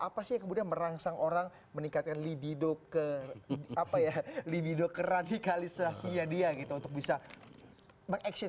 apa sih yang kemudian merangsang orang meningkatkan libido ke radikalisasinya dia gitu untuk bisa action